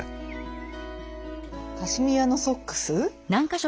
カシミヤのソックス。